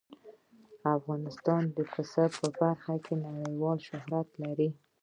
افغانستان د پسه په برخه کې نړیوال شهرت لري.